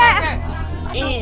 iya nih pak rt